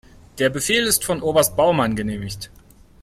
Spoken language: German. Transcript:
Der Befehl ist von Oberst Baumann genehmigt.